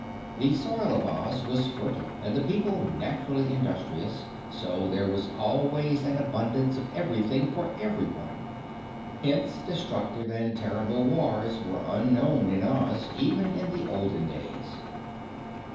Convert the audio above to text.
The soil of Oz was fertile and the people naturally industrious, so there was always an abundance of everything for everyone. Hence destructive and terrible wars were unknown in Oz even in the olden days.